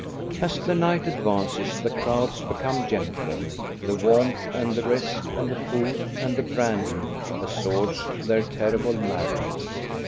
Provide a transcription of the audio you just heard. As the night advances, the crowds become gentler. The warmth and the rest and the food and the brandy assuage their terrible madness.